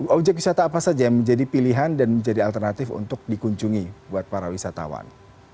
objek wisata apa saja yang menjadi pilihan dan menjadi alternatif untuk dikunjungi buat para wisatawan